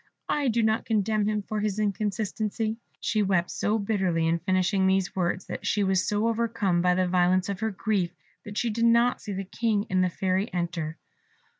I do not condemn him for his inconstancy." She wept so bitterly in finishing these words, and she was so overcome by the violence of her grief, that she did not see the King and the Fairy enter.